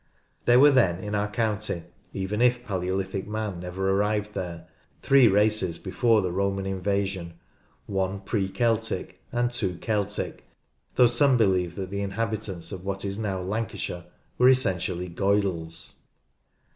There were then, in our county — even if Palaeolithic man never arrived there — three races before the Roman invasion, one pre Celtic and two Celtic, though some believe that the inhabitants of what is now Lancashire were essentially Goidels.